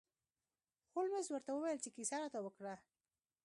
هولمز ورته وویل چې کیسه راته وکړه.